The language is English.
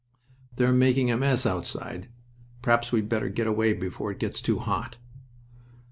"They're making a mess outside. Perhaps we'd better get away before it gets too hot."